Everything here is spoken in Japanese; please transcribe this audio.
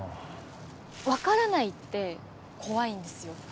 分からないって怖いんですよ。